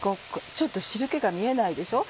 ちょっと汁気が見えないでしょ？